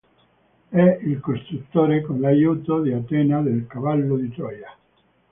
È il costruttore, con l'aiuto di Atena, del cavallo di Troia.